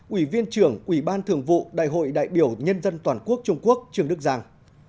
ủy viên trưởng ủy ban thường vụ đại hội đại biểu nhân dân toàn quốc trung quốc trương đức giang